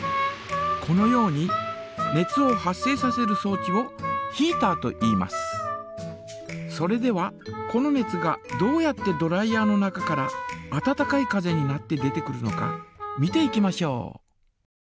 このように熱を発生させるそう置をそれではこの熱がどうやってドライヤ−の中から温かい風になって出てくるのか見ていきましょう。